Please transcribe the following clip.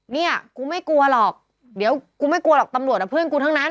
เนี่ยกูไม่กลัวหรอกเดี๋ยวกูไม่กลัวหรอกตำรวจอ่ะเพื่อนกูทั้งนั้น